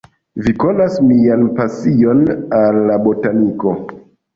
Vi konas mian pasion al la botaniko.